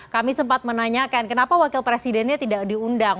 kami sempat menanyakan kenapa wakil presidennya tidak diundang